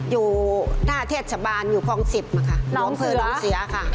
อยู่หน้าเทศชะบานอยู่ของ๑๐นะคะ